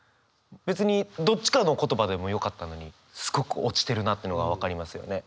別にどっちかの言葉でもよかったのにすごく落ちてるなってのが分かりますよね。